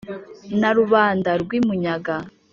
Na Rubanda rw' i Munyaga